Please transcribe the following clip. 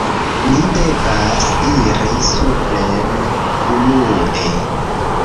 Ni devas iri supren unue